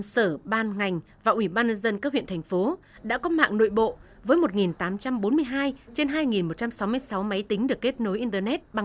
một trăm linh sở ban ngành và ủy ban dân các huyện thành phố đã có mạng nội bộ với một tám trăm bốn mươi hai trên hai một trăm sáu mươi sáu máy tính được kết nối internet